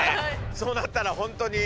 そうなったらほんとに。